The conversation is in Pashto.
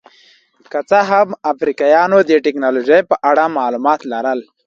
که څه هم افریقایانو د ټکنالوژۍ په اړه معلومات لرل.